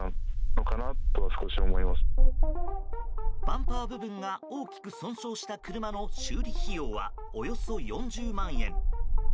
バンパー部分が大きく損傷した車の修理費用はおよそ４０万円。